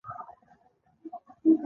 هغه په کې زیږېدلی دی.